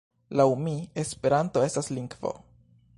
Laŭ mi Esperanto estas lingvo.